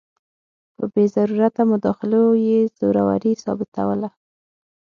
په بې ضرورته مداخلو یې زوروري ثابتوله.